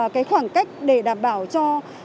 cái khoảng cách để đảm bảo cho